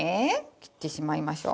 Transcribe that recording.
切ってしまいましょう。